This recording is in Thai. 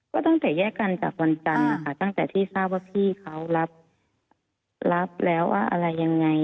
ก็ตั้งแต่แยกกันจากวันจันทร์นะคะตั้งแต่ที่ทราบว่าพี่เขารับแล้วว่าอะไรยังไง